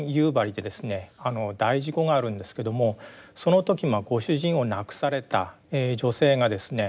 大事故があるんですけどもその時ご主人を亡くされた女性がですね